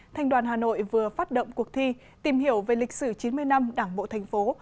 thành đoàn hà nội vừa phát động cuộc thi tìm hiểu về lịch sử chín mươi năm đảng bộ thành phố